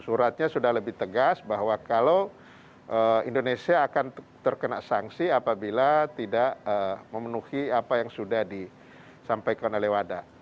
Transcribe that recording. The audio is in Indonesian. suratnya sudah lebih tegas bahwa kalau indonesia akan terkena sanksi apabila tidak memenuhi apa yang sudah disampaikan oleh wada